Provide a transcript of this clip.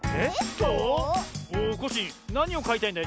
コッシーなにをかいたいんだい？